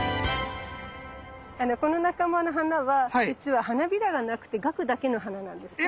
この仲間の花はじつは花びらがなくて萼だけの花なんですね。